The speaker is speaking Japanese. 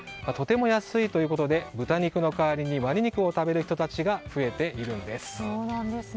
とても安いということで豚肉の代わりにワニ肉を食べる人たちが増えているんです。